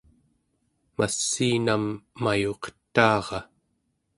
massiinam mayuqetaara